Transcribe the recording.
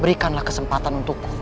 berikanlah kesempatan untukku